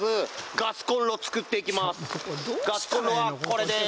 ガスコンロはこれです。